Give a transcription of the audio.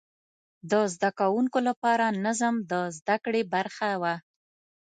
د زده کوونکو لپاره نظم د زده کړې برخه وه.